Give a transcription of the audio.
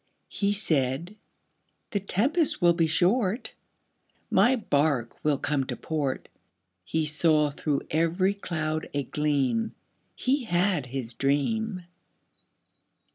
He said, "The tempest will be short, My bark will come to port." He saw through every cloud a gleam He had his dream.